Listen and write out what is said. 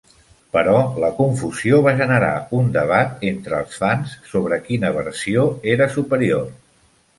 Però la confusió va generar un debat entre els fans sobre quina versió era superior.